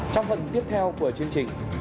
trong phần tiếp theo của chương trình